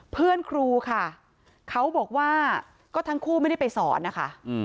เพื่อนครูค่ะเขาบอกว่าก็ทั้งคู่ไม่ได้ไปสอนนะคะ